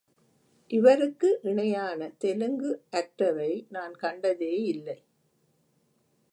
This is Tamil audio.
இவருக்கு இணையான தெலுங்கு ஆக்டரை நான் கண்டதேயில்லை.